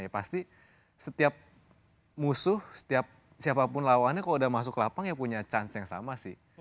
pasti setiap musuh setiap siapapun lawannya kalau udah masuk lapang ya punya chance yang sama sih